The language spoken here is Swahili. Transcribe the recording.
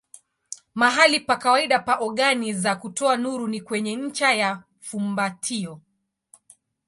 Mahali pa kawaida pa ogani za kutoa nuru ni kwenye ncha ya fumbatio.